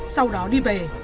sau đó đi về